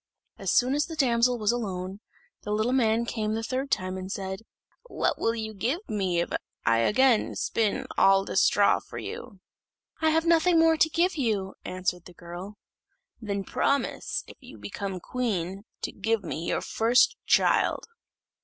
As soon as the damsel was alone, the little man came the third time, and said, "What will you give me if I again spin all this straw for you?" "I have nothing more to give you," answered the girl. "Then promise, if you become queen, to give me your first child."